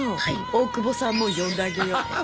大久保さんも呼んであげよう。